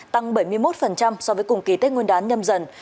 tăng bảy mươi một so với cùng kỳ tích nguồn đán nhâm dần